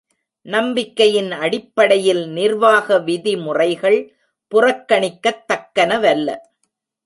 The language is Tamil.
நம்பிக்கையின் அடிப்படையில் நிர்வாக விதிமுறைகள் புறக்கணிக்கத் தக்கனவல்ல.